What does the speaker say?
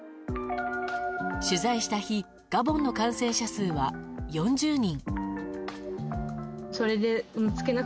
取材した日ガボンの感染者数は４０人。